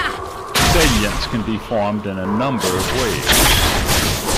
Salients can be formed in a number of ways.